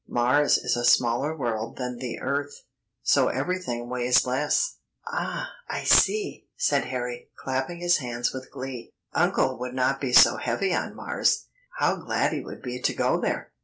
Mars is a smaller world than the earth, so everything weighs less." "Ah! I see," said Harry, clapping his hands with glee. "Uncle would not be so heavy on Mars. How glad he would be to go there!